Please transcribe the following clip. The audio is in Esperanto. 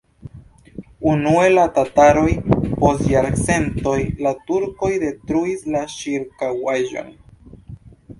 Unue la tataroj, post jarcentoj la turkoj detruis la ĉirkaŭaĵon.